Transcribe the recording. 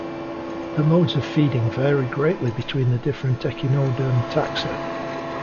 The modes of feeding vary greatly between the different echinoderm taxa.